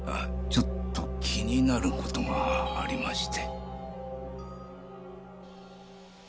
ちょっと気になる事がありまして。